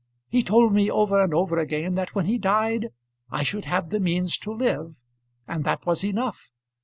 He told me over and over again that when he died I should have the means to live, and that was enough.